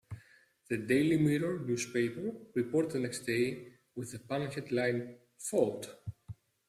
The "Daily Mirror" newspaper reported the next day, with the pun headline 'Fault!